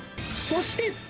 そして。